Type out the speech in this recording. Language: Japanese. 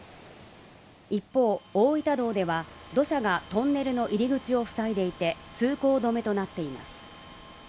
一方、大分道では土砂がトンネルの入口を塞いでいて通行止めとなっています。